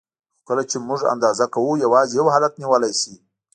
خو کله یې چې موږ اندازه کوو یوازې یو حالت نیولی شي.